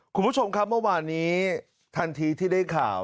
คุณผู้ชมครับเมื่อวานนี้ทันทีที่ได้ข่าว